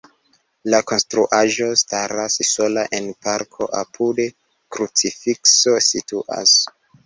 La konstruaĵo staras sola en parko, apude krucifikso situas.